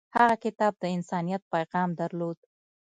هغه کتاب د انسانیت پیغام درلود.